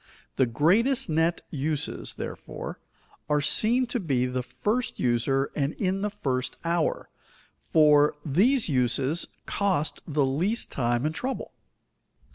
The greatest net uses, therefore, are seen to be to the first user and in the first hour, for these uses cost the least time and trouble.